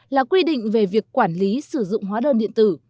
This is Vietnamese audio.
là quy định về việc quản lý sử dụng hóa đơn điện tử